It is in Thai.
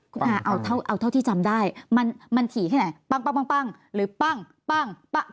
คุณอาเอาเท่าเอาเท่าที่จำได้มันมันถี่ไหนปั้งปั้งปั้งปั้งหรือปั้งปั้งปั้ง